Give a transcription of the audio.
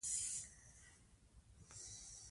صداقت زموږ لومړیتوب دی.